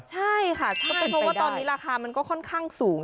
ใช่ค่ะใช่เพราะว่าตอนนี้ราคามันก็ค่อนข้างสูง